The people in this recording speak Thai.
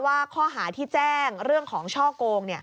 ว่าข้อหาที่แจ้งเรื่องของช่อโกง